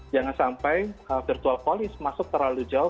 jangan sampai virtual police masuk terlalu jauh